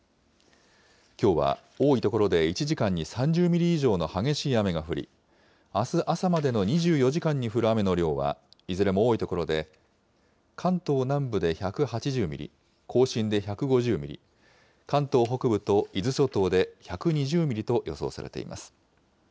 きょうは多い所で、１時間に３０ミリ以上の激しい雨が降り、あす朝までの２４時間に降る雨の量はいずれも多い所で、関東南部で１８０ミリ、甲信で１５０ミリ、関東北部と伊豆諸島で１２０ミリと予想されています。